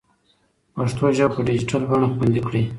پښتو ژبه په ډیجیټل بڼه خوندي کړئ.